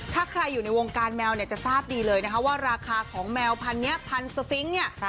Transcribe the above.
ถ้าใครอยู่ในวงการแมวเนี่ยจะทราบดีเลยนะคะว่าราคาของแมวพันนี้พันสฟิงค์เนี่ย